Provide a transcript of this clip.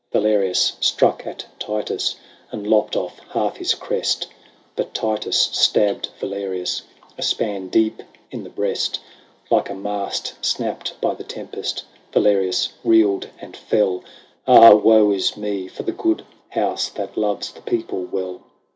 Valerius struck at Titus, And lopped oiF half his crest ; But Titus stabbed Valerius A span deep in the breast. Like a mast snapped by the tempest, Valerius reeled and fell. Ah ! woe is me for the good house That loves the people well